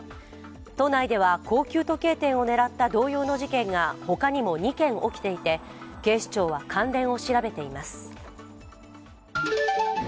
都内では高級時計店を狙った同様の事件が他にも２件起きていて、警視庁は関連を調べています。